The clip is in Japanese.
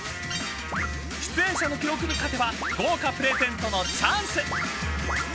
［出演者の記録に勝てば豪華プレゼントのチャンス！］